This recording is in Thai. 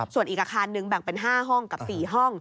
ส่วนอีกอาคารหนึ่งแบ่งเป็น๕ห้องกับ๔ห้อง